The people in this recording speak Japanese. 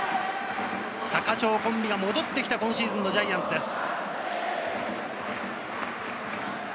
サカチョーコンビが戻ってきた今シーズンのジャイアンツです。